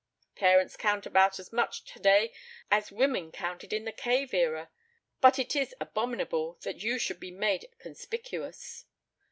"Parents count about as much today as women counted in the cave era. But it is abominable that you should be made conspicuous."